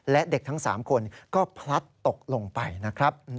และเด็กทั้ง๓คนก็พลัดตกลงไปนะครับ